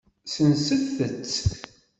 Senset-t.